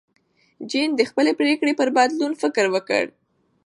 جین د خپلې پرېکړې پر بدلون فکر وکړ.